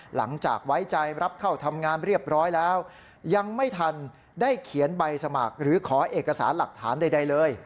หลังจากไว้ใจรับเข้าทำงานเรียบร้อยแล้วยังไม่ทันได้เขียนใบสมัครหรือขอเอกสารหลักฐานใดเลย